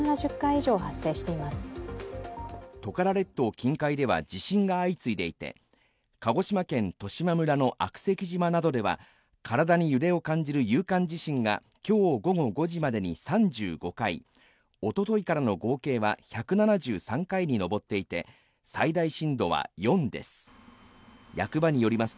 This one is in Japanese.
近海では地震が相次いでいて鹿児島県十島村の悪石島などでは体に揺れを感じる有感地震が今日午後５時までに３５回、おとといからの合計は１７３回に上っていて、最大震度は４です。